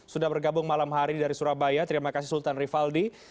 sudah bergabung malam hari dari surabaya terima kasih sultan rivaldi